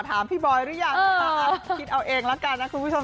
ถามพี่บอยหรือยังนะคะคิดเอาเองแล้วกันนะคุณผู้ชม